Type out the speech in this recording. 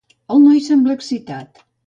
El noi sembla excitat.